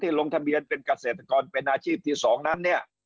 ลงทะเบียนเป็นเกษตรกรเป็นอาชีพที่๒นั้นเนี่ย